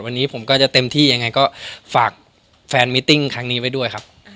วันนี้ผมก็จะเต็มที่ยังไงก็ฝากแฟนมิติ้งครั้งนี้ไว้ด้วยครับ